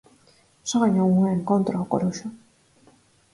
Só gañou un encontro ao Coruxo.